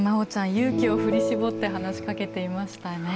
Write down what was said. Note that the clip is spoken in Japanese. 勇気を振り絞って話しかけていましたね。